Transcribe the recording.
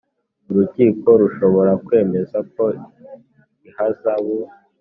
Urukiko rushobora kwemeza ko ihazabu